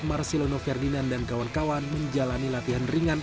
marcelo noverdinan dan kawan kawan menjalani latihan ringan